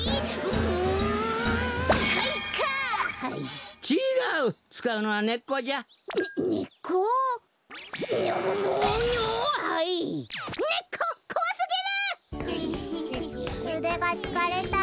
うでがつかれた。